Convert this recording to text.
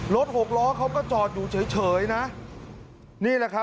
หกล้อเขาก็จอดอยู่เฉยเฉยนะนี่แหละครับ